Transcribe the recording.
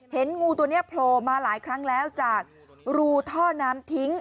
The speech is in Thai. เห็นงูตัวนี้โผล่มาหลายครั้งแล้วจากรูท่อน้ำทิ้ง